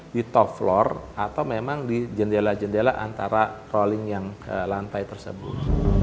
di top floor atau memang di jendela jendela antara rolling yang ke lantai tersebut